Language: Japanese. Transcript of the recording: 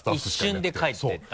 一瞬で帰って行った？